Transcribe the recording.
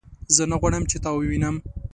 زه نه غواړم چې تا ووینم